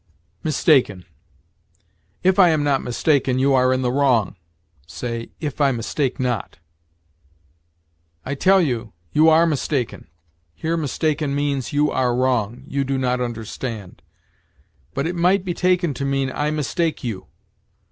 MISTAKEN. "If I am not mistaken, you are in the wrong": say, "If I mistake not." "I tell you, you are mistaken." Here mistaken means, "You are wrong; you do not understand"; but it might be taken to mean, "I mistake you."